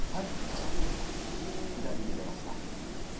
左に出ました。